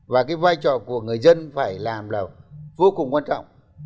và cái vai trò của người dân phải làm là vô cùng quan trọng